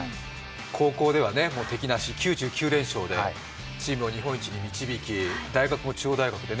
高校では敵なし、９９連勝でチームを日本一に導き大学も中央大学で